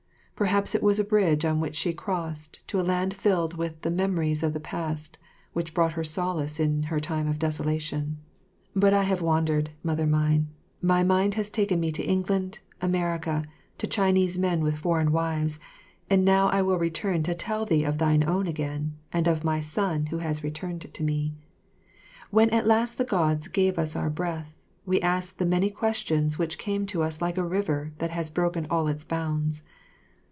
Perhaps it was a bridge on which she crossed to a land filled with the memories of the past which brought her solace in her time of desolation. [Illustration: Mylady14.] But I have wandered, Mother mine; my mind has taken me to England, America, to Chinese men with foreign wives, and now I will return and tell thee of thine own again, and of my son who has returned to me. When at last the Gods gave us our breath, we asked the many questions which came to us like a river that has broken all its bounds.